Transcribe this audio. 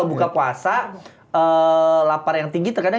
ikut karena gula itu cenderung terus main main